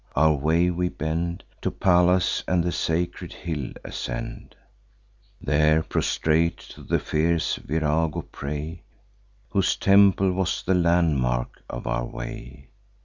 Our way we bend To Pallas, and the sacred hill ascend; There prostrate to the fierce Virago pray, Whose temple was the landmark of our way.